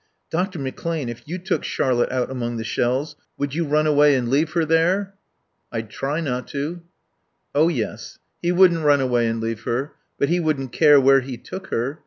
"Dr. McClane, if you took Charlotte out among the shells, would you run away and leave her there?" "I'd try not to." Oh yes. He wouldn't run away and leave her. But he wouldn't care where he took her.